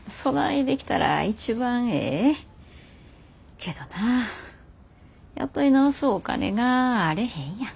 けどな雇い直すお金があれへんやん。